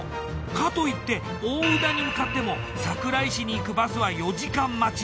かといって大宇陀に向かっても桜井市に行くバスは４時間待ち。